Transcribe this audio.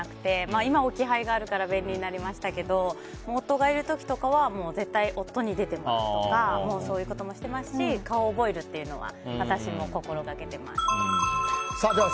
今置き配があるから便利になりましたけど夫がいる時は絶対、夫に出てもらうとかしてますし顔を覚えるというのは私も心がけています。